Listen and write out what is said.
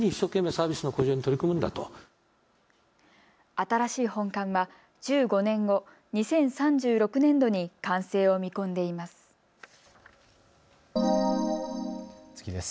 新しい本館は１５年後、２０３６年度に完成を見込んでいます。